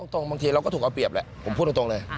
บางทีเราก็ถูกเอาเปรียบแหละผมพูดตรงเลย